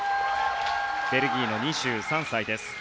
ベルギーの２３歳です。